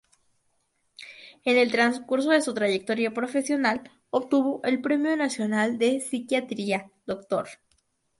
En el transcurso de su trayectoria profesional obtuvo el Premio Nacional de Psiquiatría “Dr.